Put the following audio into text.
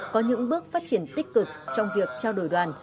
có những bước phát triển tích cực trong việc trao đổi đoàn